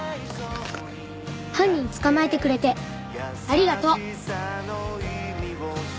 犯人捕まえてくれてありがとう。